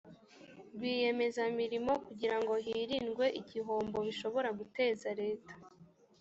rwiyemezamirimo kugira ngo hirindwe igihombo bishobora guteza leta